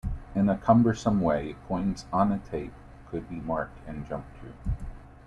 In a cumbersome way, points on the tape could be marked and jumped to.